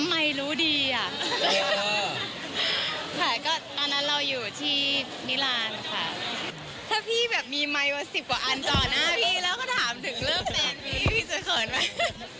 รู้ดีอ่ะค่ะก็ตอนนั้นเราอยู่ที่นิรานค่ะถ้าพี่แบบมีไมค์มาสิบกว่าอันต่อหน้าพี่แล้วก็ถามถึงเลิกแฟนพี่พี่จะเขินไหม